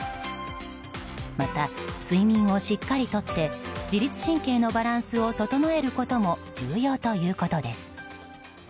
また、睡眠をしっかりとって自律神経のバランスを整えることも重要ということです。